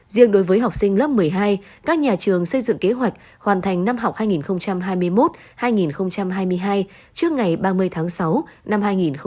riêng đối với học sinh lớp một mươi hai các nhà trường xây dựng kế hoạch hoàn thành năm học hai nghìn hai mươi một hai nghìn hai mươi hai trước ngày ba mươi tháng sáu năm hai nghìn hai mươi